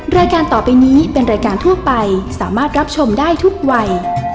รายการต่อไปนี้เป็นรายการทั่วไปสามารถรับชมได้ทุกวัย